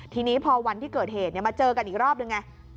ทีนี้พอวันที่เกิดเหตุมาเจอกันอีกรอบนึงไง